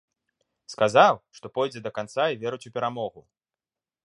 Сказаў, што пойдзе да канца і верыць у перамогу.